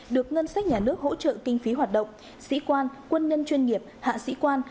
được ngân sách nhà nước hỗ trợ kinh phí hoạt động sĩ quan quân nhân chuyên nghiệp hạ sĩ quan